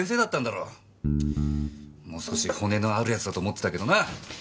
もう少し骨のあるやつだと思ってたけどな！